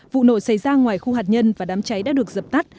vụ nổ xảy ra ngoài khu hạt nhân và đám cháy đã được dập tắt